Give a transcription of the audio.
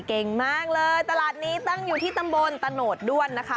เก่งมากเลยตลาดนี้ตั้งอยู่ที่ตำบลตะโนดด้วนนะคะ